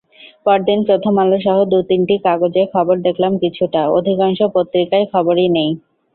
পরদিন প্রথম আলোসহ দু-তিনটি কাগজে খবর দেখলাম কিছুটা—অধিকাংশ পত্রিকায় খবরই নেই।